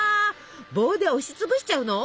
棒で押しつぶしちゃうの？